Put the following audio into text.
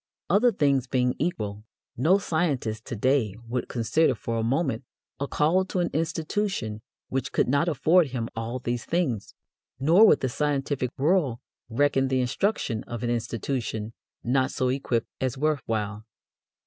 Other things being equal, no scientist to day would consider for a moment a call to an institution which could not afford him all of these things, nor would the scientific world reckon the instruction of an institution not so equipped as worth while.